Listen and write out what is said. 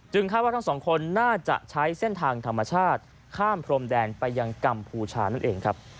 คาดว่าทั้งสองคนน่าจะใช้เส้นทางธรรมชาติข้ามพรมแดนไปยังกัมพูชานั่นเองครับ